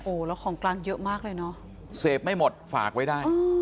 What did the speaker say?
โอ้โหแล้วของกลางเยอะมากเลยเนอะเสพไม่หมดฝากไว้ได้